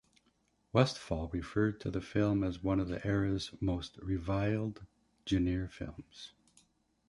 Westfahl referred to the film as one of the era's most reviled genre films.